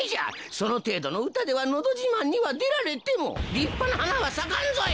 そのていどのうたでは「のどじまん」にはでられてもりっぱなはなはさかんぞい！